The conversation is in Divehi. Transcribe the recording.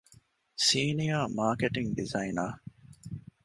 ސީނިއަރ މާކެޓިންގ ޑިޒައިނަރ